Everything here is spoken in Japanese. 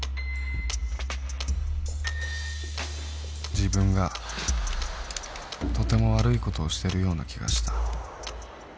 自分がとても悪いことをしてるような気がした